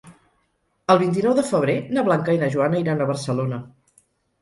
El vint-i-nou de febrer na Blanca i na Joana iran a Barcelona.